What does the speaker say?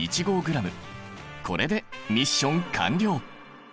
これでミッション完了。